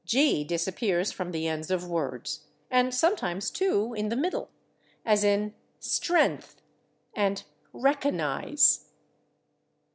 /G/ disappears from the ends of words, and sometimes, too, in the middle, as in /stren'th/ and /reco'nize